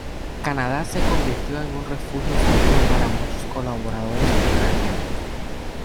Canadá se convirtió en un refugio seguro para muchos colaboradores ucranianos.